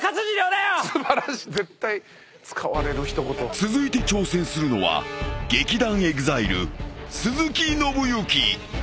［続いて挑戦するのは劇団ＥＸＩＬＥ］